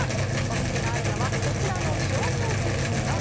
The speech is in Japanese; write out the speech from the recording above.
お店があるのはこちらの商業施設の中。